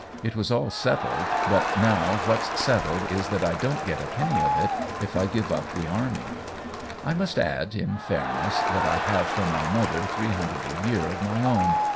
It was all settled ; but now what's settled is that I don't get a penny of it if I give up the army. I must add, in fairness, that I have from my mother three hundred a year of my own.